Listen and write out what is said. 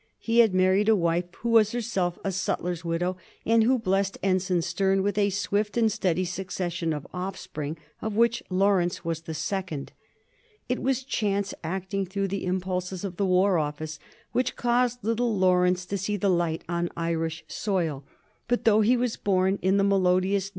He had married a wife who was herself a sutler's widow, and who blessed Ensign Sterne with a swift and steady succession of offspring, of whom Laurence was the second. It was chance, acting through the impulses of the War Office, which caused little Laurence to see the light on Irish soil ; but though he was bom in the melo diously.